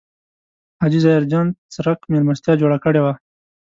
حاجي ظاهر جان څرک مېلمستیا جوړه کړې وه.